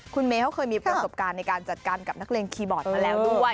คุณเมย์เขาเคยมีประสบการณ์ในการจัดการกับนักเลงคีย์บอร์ดมาแล้วด้วย